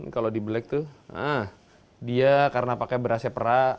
kalau di black tuh dia karena pakai berasnya perak